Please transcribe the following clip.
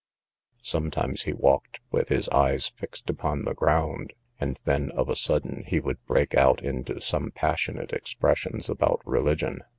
Sometimes he walked with his eyes fixed upon the ground, and then, of a sudden, he would break out into some passionate expressions about religion.